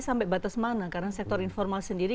sampai batas mana karena sektor informal sendiri